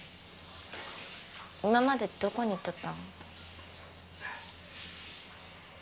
今までどこに行っとったの？